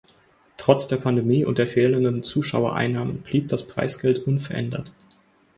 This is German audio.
Trotz der Pandemie und der fehlenden Zuschauereinnahmen blieb das Preisgeld unverändert.